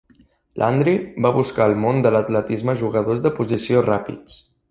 Landry va buscar al món de l'atletisme jugadors de posició ràpids.